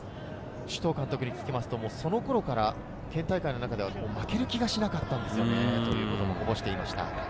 首藤監督に聞くと、その頃から県大会の中では負ける気がしなかったということをこぼしていました。